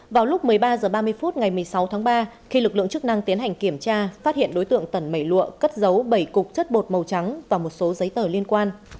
vào lúc một mươi ba h ba mươi phút ngày một mươi sáu tháng ba khi lực lượng chức năng tiến hành kiểm tra phát hiện đối tượng tẩn mẩy lụa cất giấu bảy cục chất bột màu trắng và một số giấy tờ liên quan